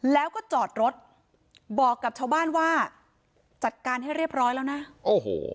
แล้วก็จอดรถบอกกับชาวบ้านว่าจัดการให้เรียบร้อยแล้วนะโอ้โห